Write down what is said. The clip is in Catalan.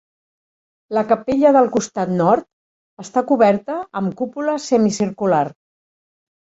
La capella del costat nord està coberta amb cúpula semicircular.